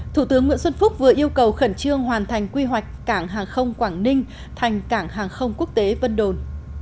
thủ tướng nguyễn xuân phúc vừa yêu cầu khẩn trương hoàn thành quy hoạch cảng hàng không quảng ninh thành cảng hàng không quốc tế vân đồn